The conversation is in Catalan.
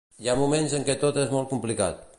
Hi ha moments en què tot és molt complicat.